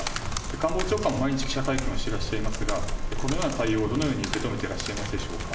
官房長官も毎日、記者会見をしていらっしゃいますが、このような対応をどのように受け止めていらっしゃいますでしょうか。